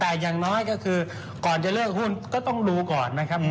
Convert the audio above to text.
แต่อย่างน้อยก็คือก่อนจะเลิกหุ้นก็ต้องดูก่อนนะครับ